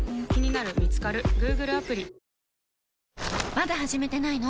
まだ始めてないの？